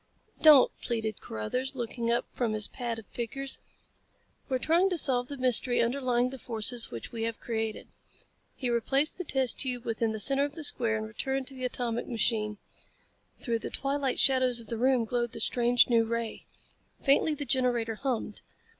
"Don't," pleaded Carruthers, looking up from his pad of figures. "We're trying to solve the mystery underlying the forces which we have created." He replaced the test tube within the center of the square and returned to the atomic machine. Through the twilight shadows of the room glowed the strange new ray. Faintly the generator hummed.